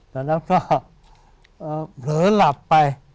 แต่แล้วก็เผลอหลับไป